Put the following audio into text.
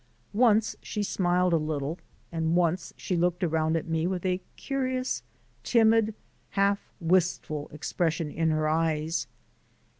Once she smiled a little, and once she looked around at me with a curious, timid, half wistful expression in her eyes.